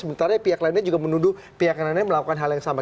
sementara pihak lainnya juga menuduh pihak yang lainnya melakukan hal yang sama